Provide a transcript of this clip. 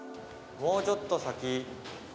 「もうちょっと先」